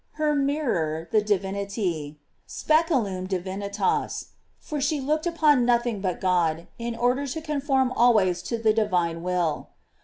Her mirror, the Divinity; "Speculum divinitas," for she looked upon nothing but God, in order to conform always to the divine will.